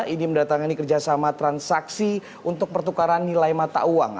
ini mendatangi kerjasama transaksi untuk pertukaran nilai mata uang